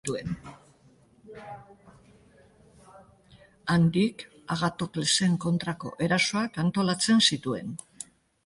Handik Agatoklesen kontrako erasoak antolatzen zituen.